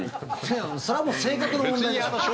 それはもう性格の問題でしょ。